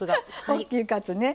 おっきいカツね。